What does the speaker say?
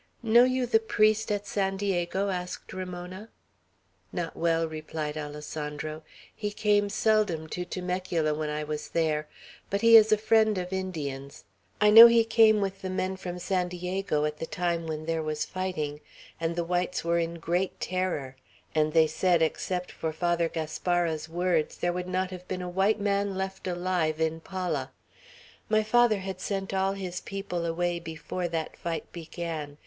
"Know you the priest at San Diego?" asked Ramona. "Not well," replied Alessandro. "He came seldom to Temecula when I was there; but he is a friend of Indians. I know he came with the men from San Diego at the time when there was fighting, and the whites were in great terror; and they said, except for Father Gaspara's words, there would not have been a white man left alive in Pala. My father had sent all his people away before that fight began.